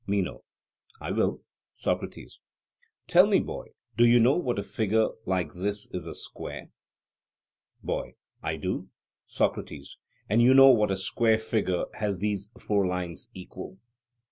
MENO: I will. SOCRATES: Tell me, boy, do you know that a figure like this is a square? BOY: I do. SOCRATES: And you know that a square figure has these four lines equal?